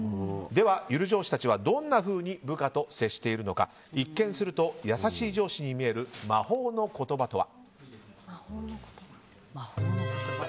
では、ゆる上司たちはどんなふうに部下と接しているのか一見すると優しい上司に見える魔法の言葉とは。